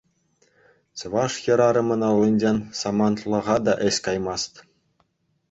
Чӑваш хӗрарӑмӗн аллинчен самантлӑха та ĕç каймасть.